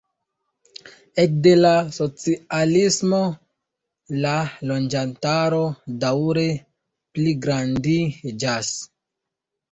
Ekde la socialismo la loĝantaro daŭre pligrandiĝas.